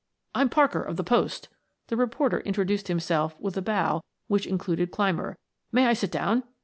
"I'm Parker of the Post," the reporter introduced himself with a bow which included Clymer. "May I sit down?"